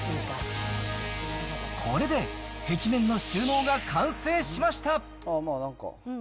これで壁面の収納が完成しました。